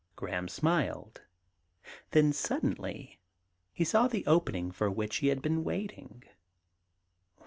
Graham smiled. Then suddenly he saw the open ing for which he had been waiting.